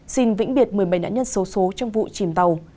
xin vĩnh biệt một mươi bảy nạn nhân số số trong vụ chìm tàu